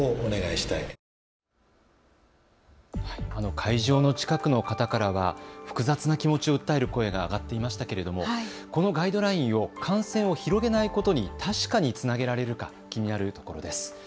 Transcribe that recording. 会場の近くの方からは複雑な気持ちを訴える声が上がっていましたけれどもこのガイドラインを感染を広げないことに確かにつなげられるか、気になるところです。